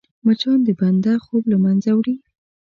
مچان د بنده خوب له منځه وړي